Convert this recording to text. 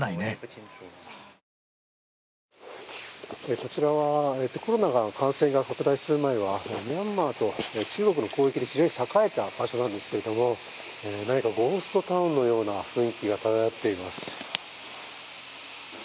こちらはコロナが感染が拡大する前はミャンマーと中国の交易で非常に栄えた場所なのですが、なにかゴーストタウンのような雰囲気が漂っています。